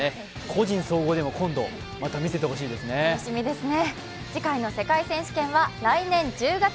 個人総合でも今度、また見せてほしいですね。